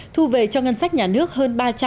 thu về cho ngân sách nhà nước hơn